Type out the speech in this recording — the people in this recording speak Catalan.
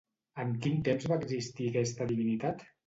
En quin temps va existir aquesta divinitat?